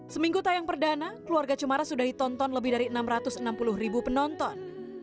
seminggu tayang perdana keluarga cumara sudah ditonton lebih dari enam ratus enam puluh ribu penonton